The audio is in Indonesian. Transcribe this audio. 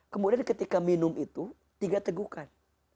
kemudian ketika minum itu tiga teguhkan